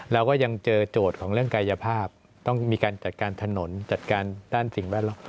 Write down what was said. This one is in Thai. เราก็ยังเจอโจทย์ของเรื่องกายภาพต้องมีการจัดการถนนจัดการด้านสิ่งแวดล้อม